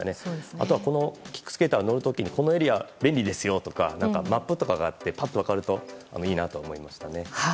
あとはこのキックスケーターに乗る時このエリア、便利ですよとかマップとかがあってぱっと分かるといいなと思いましたね。